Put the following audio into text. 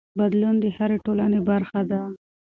بدلون د هرې ټولنې برخه ده.